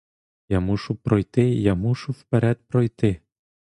Я мушу пройти, я мушу вперед пройти.